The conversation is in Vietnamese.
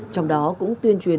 trong đó cũng tuyên truyền